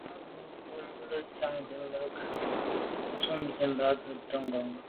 Mbā wʉ́lǒ cwɛ̌d ndíɑ̀g nə̀ ghʉ zə̀ dʉ̀' ntʉ̂m diba mbumtə ngɔ̌ngɔ̀.